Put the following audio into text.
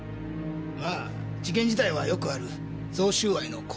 まあ事件自体はよくある贈収賄の構図で。